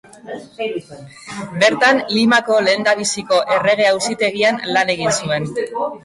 Bertan Limako lehendabiziko Errege-Auzitegian lan egin zuen.